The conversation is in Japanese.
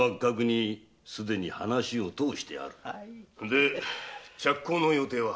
で着工の予定は？